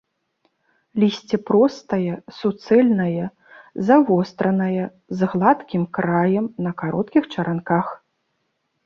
Лісце простае, суцэльнае, завостранае, з гладкім краем, на кароткіх чаранках.